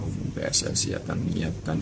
umum pssi akan menyiapkan